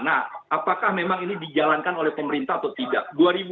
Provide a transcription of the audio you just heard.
nah apakah memang ini dijalankan oleh pemerintah atau tidak